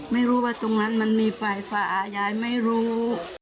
ไม่รู้ว่าตรงนั้นมันมีไฟฟ้ายายไม่รู้